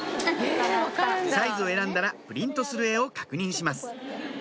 サイズを選んだらプリントする絵を確認します